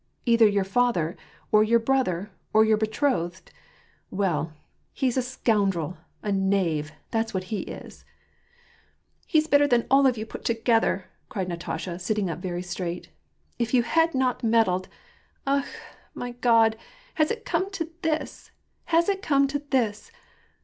Either your father, or your brother, or your betrothed ? Well, he's a scoundrel ! a knave ! that's what he is !"" He's better than all of you put together," cried Natasha, sitting up very straight. " If you had not meddled !— Akh ! my God, has it come to this, has it come to this